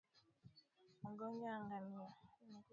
Magonjwa ya Ngamia